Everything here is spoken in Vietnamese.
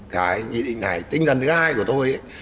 cái nghị định này tinh thần thứ hai của tôi